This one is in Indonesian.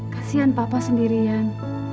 kasian papa sendirian